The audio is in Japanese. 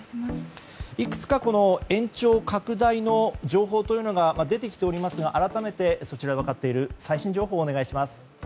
いくつか延長、拡大の情報というのが出てきておりますが改めて、分かっている最新情報をお願いします。